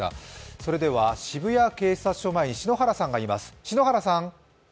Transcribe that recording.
それでは渋谷警察署前に篠原さんがいます。